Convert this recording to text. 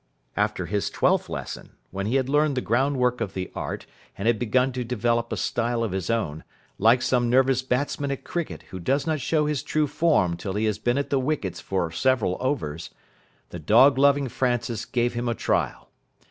After his twelfth lesson, when he had learned the ground work of the art, and had begun to develop a style of his own, like some nervous batsman at cricket who does not show his true form till he has been at the wickets for several overs, the dog loving Francis gave him a trial.